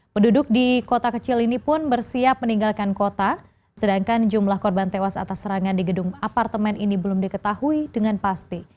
penduduk di kota kecil ini pun bersiap meninggalkan kota sedangkan jumlah korban tewas atas serangan di gedung apartemen ini belum diketahui dengan pasti